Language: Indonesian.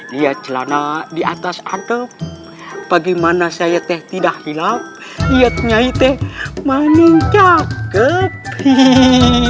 dia celana di atas adep bagaimana saya teh tidak hilang lihat nyai teh mani cakep hihihi